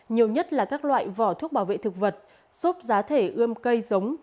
nhiều nhất là các loại vỏ thuốc bảo vệ thực vật xốp giá thể ươm cây giống